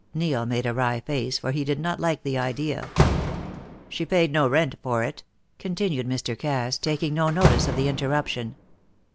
Neil made a wry face, for he did not like the idea. "She paid no rent for it," continued Mr. Cass, taking no notice of the interruption.